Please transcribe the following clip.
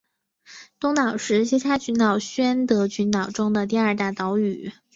东岛是西沙群岛宣德群岛中的第二大的岛屿。